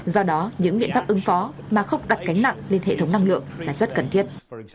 do đó những biện pháp ứng phó mà không đặt cánh nặng lên hệ thống năng lượng là rất cần thiết